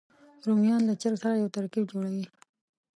رومیان له چرګ سره یو ترکیب جوړوي